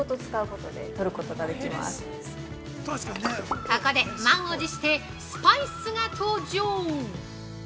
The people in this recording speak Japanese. ◆ここで、満を持して、スパイスが登場！